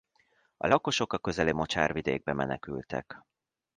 A lakosok a közeli mocsárvidékbe menekültek.